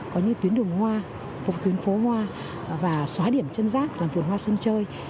có như tuyến đường hoa phục tuyến phố hoa và xóa điểm chân rác làm vườn hoa sân chơi